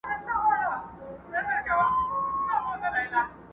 په لامبو کي یې ځان نه وو آزمېیلی!